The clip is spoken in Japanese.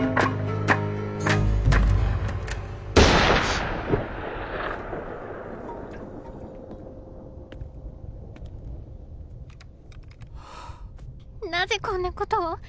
・なぜこんなことを？